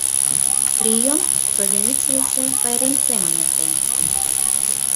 Прием провиницийысе пайрем семын эртен.